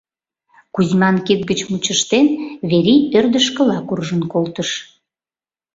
Кузьман кид гыч мучыштен, Вери ӧрдыжкыла куржын колтыш.